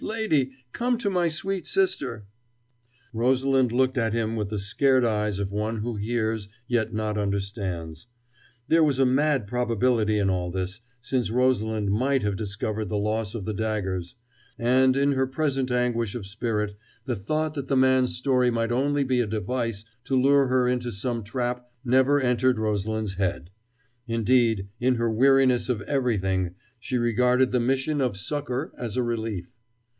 lady! Come to my sweet sister " Rosalind looked at him with the scared eyes of one who hears, yet not understands. There was a mad probability in all this, since Pauline might have discovered the loss of the daggers; and, in her present anguish of spirit, the thought that the man's story might only be a device to lure her into some trap never entered Rosalind's head. Indeed, in her weariness of everything, she regarded the mission of succor as a relief.